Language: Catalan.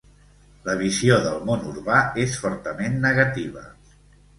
La visió del món urbà és fortament negativa.